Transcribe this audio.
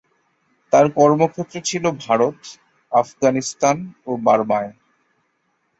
তার কর্মক্ষেত্র ছিল ভারত, আফগানিস্তান ও বার্মায়।